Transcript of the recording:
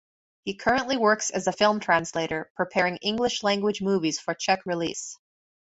He currently works as a film translator, preparing English-language movies for Czech release.